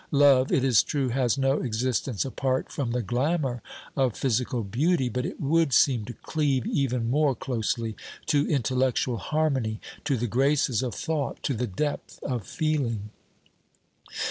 Love, it is true, has no existence apart from the glamour of physical beauty, but it would seem to cleave even more closely to intellectual harmony, to the graces of thought, to the depth of feeling.